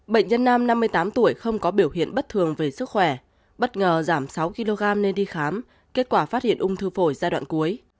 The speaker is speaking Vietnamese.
bệnh nhân nam năm mươi tám tuổi không có biểu hiện bất thường về sức khỏe bất ngờ giảm sáu kg nên đi khám kết quả phát hiện ung thư phổi giai đoạn cuối